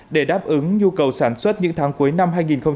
để đáp ứng nhu cầu sản xuất những tháng cuối năm hai nghìn hai mươi